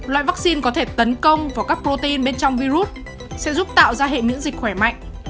loại vaccine có thể tấn công vào các protein bên trong virus sẽ giúp tạo ra hệ miễn dịch khỏe mạnh